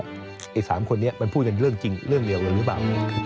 ไอ้๓คนนี้มันพูดกันเรื่องจริงเรื่องเดียวกันหรือเปล่า